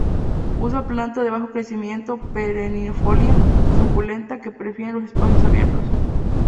Una planta de bajo crecimiento, perennifolia, suculenta que prefiere los espacios abiertos.